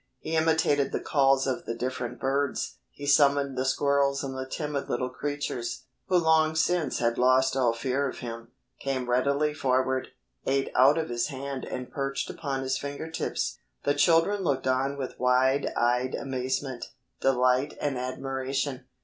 He imitated the calls of the different birds. He summoned the squirrels and the timid little creatures, who long since had lost all fear of him, came readily forward, ate out of his hand and perched upon his finger tips. The children looked on with wide eyed amazement, delight and admiration.